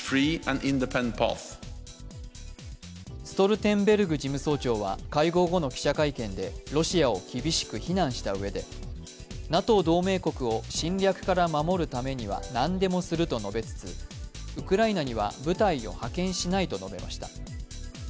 ストルテンベルグ事務総長は会合後の記者会見で、ロシアを厳しく非難したうえでＮＡＴＯ同盟国を侵略から守るためには何でもすると述べつつ、ウクライナには部隊を派遣しないと述べました。